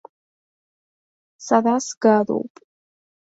Сара сгароуп.